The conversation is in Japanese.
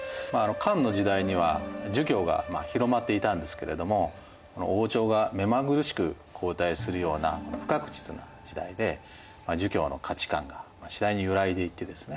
漢の時代には儒教が広まっていたんですけれども王朝が目まぐるしく交代するような不確実な時代で儒教の価値観が次第に揺らいでいってですね